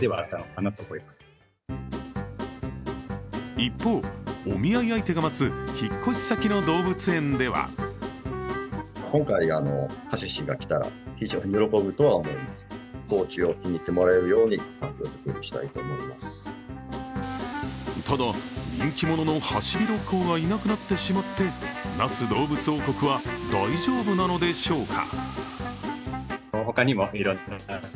一方、お見合い相手が待つ引っ越し先の動物園ではただ、人気者のハシビロコウがいなくなってしまって那須どうぶつ王国は大丈夫なのでしょうか。